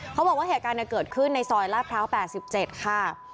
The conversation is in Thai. เขาบอกว่าเหตุการณ์เกิดขึ้นในซอยลาดพร้าว๘๗ค่ะ